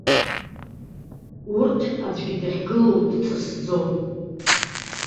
Урҭ аӡәгьы дахьгылоу дҵысӡом.